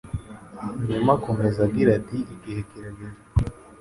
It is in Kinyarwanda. Hanyuma akomeza agira ati Igihe kirageze